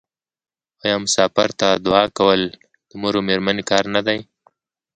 آیا مسافر ته دعا کول د مور او میرمنې کار نه دی؟